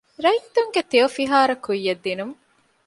ރައްޔިތުންގެ ތެޔޮފިހާރަ ކުއްޔަށް ދިނުމަށް